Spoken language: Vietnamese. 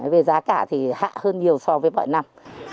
về giá cả thì hạ hơn nhiều so với mọi năm